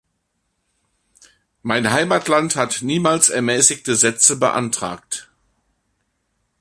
Mein Heimatland hat niemals ermäßigte Sätze beantragt.